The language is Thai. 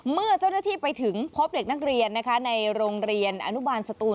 เมื่อเจ้าหน้าที่ไปถึงพบเด็กนักเรียนนะคะในโรงเรียนอนุบาลสตูน